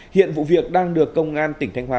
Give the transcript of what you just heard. hiện vụ việc đang được công an tỉnh thanh hóa